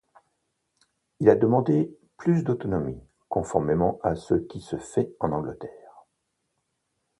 Il a demandé plus d'autonomie, conformément à ce qui se fait en Angleterre.